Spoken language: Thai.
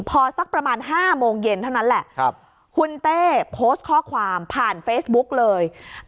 พอสักประมาณ๕โมงเย็นเท่านั้นแหละคุณเต้โพสต์ข้อความผ่านเฟซบุ๊กเลย